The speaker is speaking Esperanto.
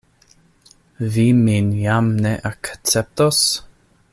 Vi min jam ne akceptos?